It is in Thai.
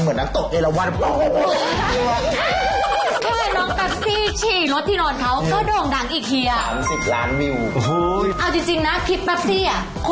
เอ้าจริงนะคลิปแปปซี่คนดูเยอะกว่าคลิปเพลงของหนูอีก